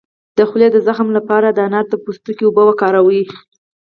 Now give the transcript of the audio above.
د خولې د زخم لپاره د انار د پوستکي اوبه وکاروئ